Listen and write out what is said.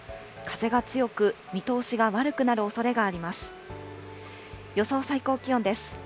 風が強く、見通しが悪くなるおそれがあります。